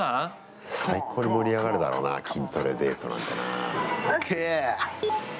最高に盛り上がるだろうな筋トレデートなんてな。